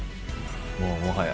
もうもはや。